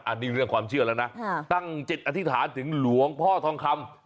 อันนี้เรื่องความเชื่อแล้วนะตั้งจิตอธิษฐานถึงหลวงพ่อทองคำ